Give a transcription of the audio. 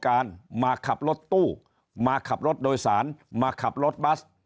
การมาขับรถตู้มาขับรถโดยสารมาขับรถบัส